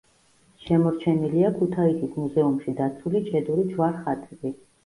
შემორჩენილია ქუთაისის მუზეუმში დაცული ჭედური ჯვარ–ხატები.